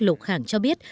lục khảng cho biết